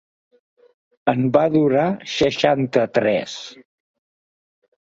En va durar seixanta-tres.